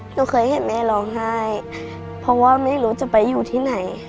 หนูเคยเห็นแม่ร้องไห้เพราะว่าไม่รู้จะไปอยู่ที่ไหน